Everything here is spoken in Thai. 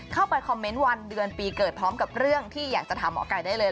เข้าไปคอมเมนต์วันเดือนปีเกิดพร้อมกับเรื่องที่อยากจะถามหมอไก่ได้เลย